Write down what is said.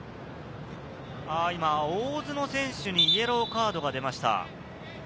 今、大津の選手にイエローカードが出ました。